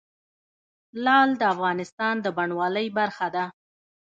لعل د افغانستان د بڼوالۍ برخه ده.